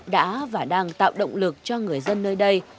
đã và đang tạo động lực cho người dân nơi đây